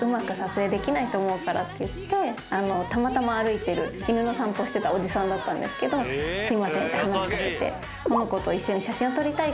こう言ってたまたま歩いてる犬の散歩してたおじさんだったんですけど「すいません」って話し掛けて。